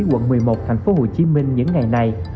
quận một mươi một tp hcm những ngày này